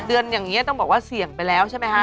เดือนอย่างนี้ต้องบอกว่าเสี่ยงไปแล้วใช่ไหมคะ